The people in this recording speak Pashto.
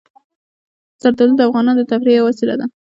زردالو د افغانانو د تفریح یوه وسیله ده.